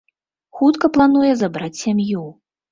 Хутка плануе забраць сям'ю.